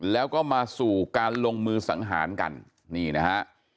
แล้วก็มาสู่การลงมือสังหารกันนี่นะฮะ